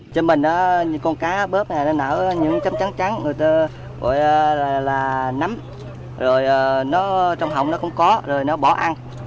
cho mình những con cá bớp này nó nở những chấm trắng trắng người ta gọi là nấm rồi trong hộng nó cũng có rồi nó bỏ ăn